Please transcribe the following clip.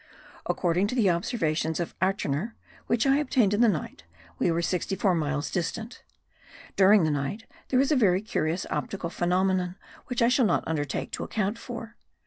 According to the observations of Acherner, which I obtained in the night, we were sixty four miles distant. During the night there was a very curious optical phenomenon, which I shall not undertake to account for.